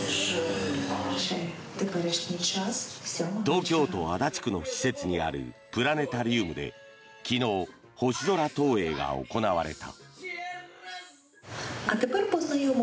東京都足立区の施設にあるプラネタリウムで昨日、星空投影が行われた。